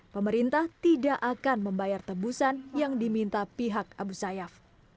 pemerintah tidak akan membayar tebusan yang diminta pihak abu sayyaf